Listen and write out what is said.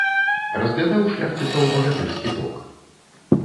Разглядаў шляхціцаў багатырскі ток.